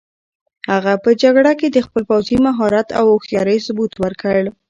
هغه په جګړه کې د خپل پوځي مهارت او هوښیارۍ ثبوت ورکړ.